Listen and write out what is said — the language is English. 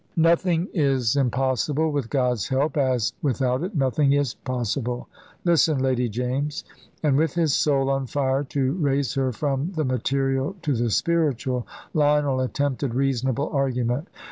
"Nothing is impossible with God's help, as without it nothing is possible. Listen, Lady James"; and with his soul on fire to raise her from the material to the spiritual, Lionel attempted reasonable argument.